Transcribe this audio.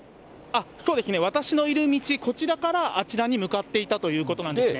そうですね、私のいる道、こちらからあちらに向かっていたということなんですね。